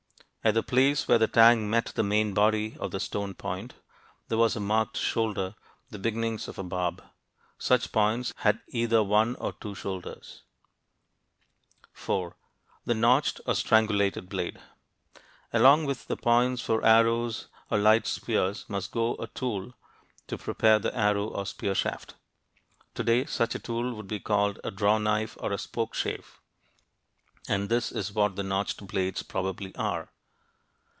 At the place where the tang met the main body of the stone point, there was a marked "shoulder," the beginnings of a barb. Such points had either one or two shoulders. [Illustration: NOTCHED BLADE] 4. The "notched" or "strangulated" blade. Along with the points for arrows or light spears must go a tool to prepare the arrow or spear shaft. Today, such a tool would be called a "draw knife" or a "spoke shave," and this is what the notched blades probably are.